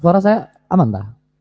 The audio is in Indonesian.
suara saya aman tak